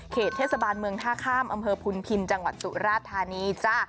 เทศบาลเมืองท่าข้ามอำเภอพุนพินจังหวัดสุราธานีจ้ะ